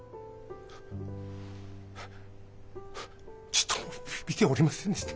ふぅちっとも見ておりませんでした。